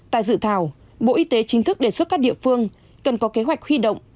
tại dự thảo bộ y tế chính thức đề xuất các địa phương cần có kế hoạch huy động